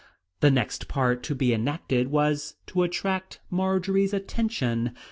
The next part to be enacted was to attract Marjory's attention.